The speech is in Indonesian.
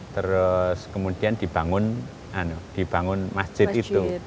terus kemudian dibangun masjid itu